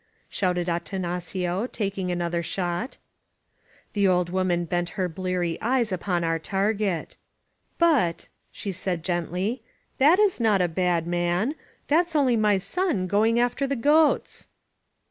shouted Atanacio, taking another shot. 306 LOS PASTORES The old woman bent her bleary eyes upon our target. "But," she said gently, "that is not a bad man. That's only my son going after the goats."